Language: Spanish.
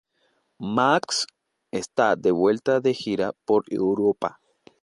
Maxx está de vuelta de gira por Europa.